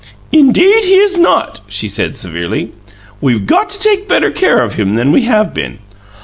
"Indeed he is not!" she said severely. "We've got to take better care of him than we have been."